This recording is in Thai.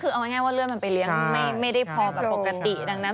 คือเอาง่ายว่าเลือดมันไปเลี้ยงไม่ได้พอแบบปกติดังนั้น